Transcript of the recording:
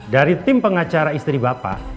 dari tim pengacara istri bapak